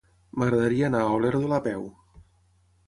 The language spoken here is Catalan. M'agradaria anar a Olèrdola a peu.